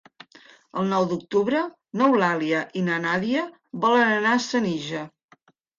El nou d'octubre n'Eulàlia i na Nàdia volen anar a Senija.